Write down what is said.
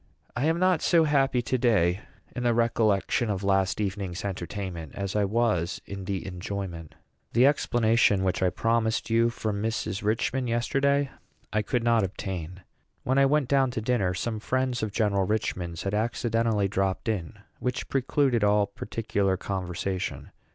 I am not so happy to day in the recollection of last evening's entertainment as I was in the enjoyment. The explanation which I promised you from Mrs. Richman yesterday I could not obtain. When I went down to dinner some friends of General Richman's had accidentally dropped in, which precluded all particular conversation.